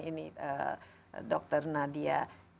ini dokter nadia